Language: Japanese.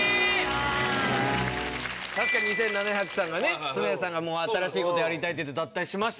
確かに２７００さんがねツネさんが新しいことやりたいって言って脱退しまして。